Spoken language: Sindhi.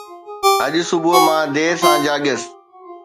اڄ صبح مان دير سان جاڳيس